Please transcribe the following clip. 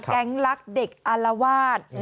แก๊งรักเด็กอารวาส